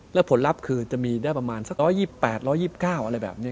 แล้วผลลัพธ์คือจะมีได้ประมาณสัก๑๒๘๑๒๙อะไรแบบนี้